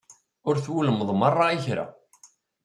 Ur twulmeḍ meṛṛa i kra.